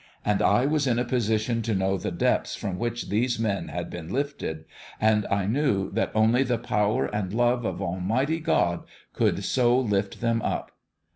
And I was in a position to know the depths from which these men had been lifted ... and I knew that only the power and love of Almighty God could so lift them up.